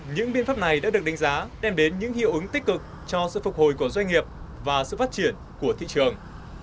những biên pháp này đã được đánh giá đem đến những hiệu ứng tích cực cho sự phục hồi của doanh nghiệp và sự phát triển của thị trường